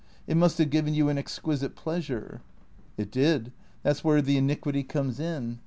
It must have given you an exquisite pleasure." " It did. That 's where the iniquity comes in.